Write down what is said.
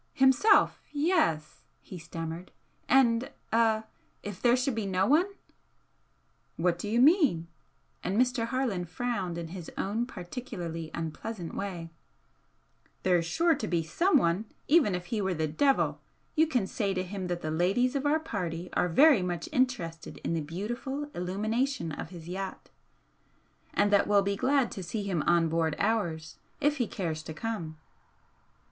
"Himself yes!" he stammered "And er if there should be no one " "What do you mean?" and Mr. Harland frowned in his own particularly unpleasant way "There's sure to be SOMEONE, even if he were the devil! You can say to him that the ladies of our party are very much interested in the beautiful illumination of his yacht, and that we'll be glad to see him on board ours, if he cares to come.